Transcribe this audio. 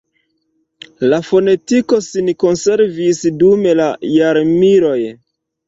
La fonetiko sin konservis dum la jarmiloj.